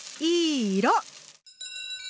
いい色！